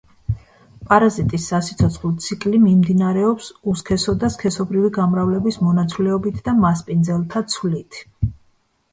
პარაზიტის სასიცოცხლო ციკლი მიმდინარეობს უსქესო და სქესობრივი გამრავლების მონაცვლეობით და მასპინძელთა ცვლით.